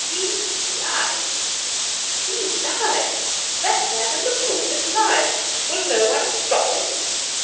he lies! he lies! That man in the pulpit lies! Will no one stop him?